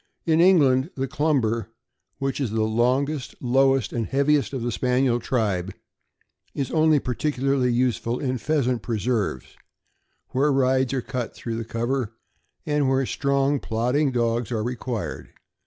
In England, the Clumber, which is the longest, lowest, and heaviest of the Spaniel tribe, is only particularly use ful in pheasant preserves, where rides are cut through the cover, and where slow, strong, plodding dogs are required.